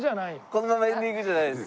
このままエンディングじゃないです。